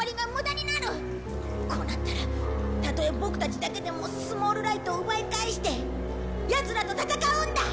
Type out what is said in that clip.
こうなったらたとえボクたちだけでもスモールライトを奪い返してヤツらと戦うんだ！